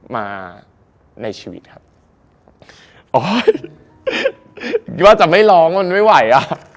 ไม่มีหรือเป็นได้